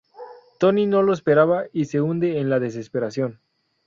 Tony no lo esperaba y se hunde en la desesperación.